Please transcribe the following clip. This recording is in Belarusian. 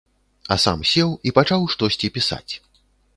А сам сеў і пачаў штосьці пісаць.